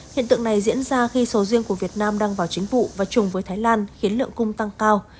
hiện tượng này diễn ra khi sầu riêng của việt nam đang vào chính vụ và chùng với thái lan khiến lượng cung tăng cao